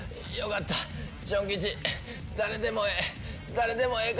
誰でもええ